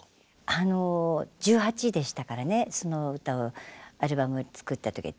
あの１８でしたからねそのアルバムを作った時は。